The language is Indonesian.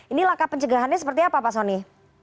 ini langkah pencegahannya seperti apa pak soni